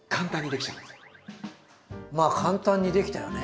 まあ簡単にできたよね。